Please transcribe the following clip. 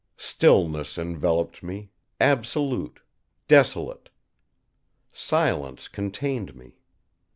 Stillness enveloped me, absolute, desolate. Silence contained me.